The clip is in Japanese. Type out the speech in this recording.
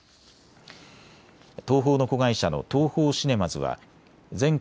東宝の子会社のＴＯＨＯシネマズは全国